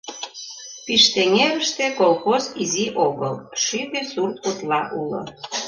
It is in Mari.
Пиштеҥерыште колхоз изи огыл, шӱдӧ сурт утла уло.